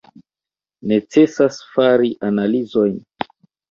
Necesas fari analizojn.